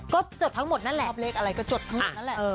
ก็จดทั้งหมดนั่นแหละเลขอะไรก็จดทั้งหมดนั่นแหละ